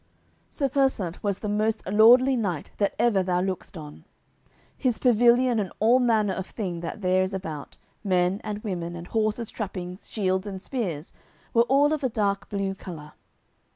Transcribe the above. Sir Persant was the most lordly knight that ever thou lookedst on. His pavilion and all manner of thing that there is about, men and women, and horses' trappings, shields and spears were all of dark blue colour.